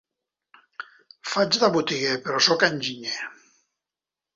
Faig de botiguer, però soc enginyer.